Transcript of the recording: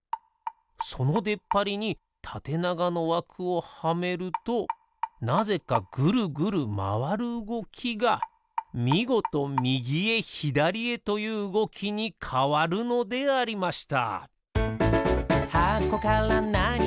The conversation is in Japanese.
そのでっぱりにたてながのわくをはめるとなぜかぐるぐるまわるうごきがみごとみぎへひだりへといううごきにかわるのでありました。